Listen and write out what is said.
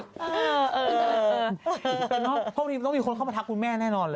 เออพวกนี้ต้องมีคนเข้ามาทักคุณแม่แน่นอนเลย